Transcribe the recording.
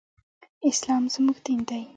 اسلام زمونږ دين دی.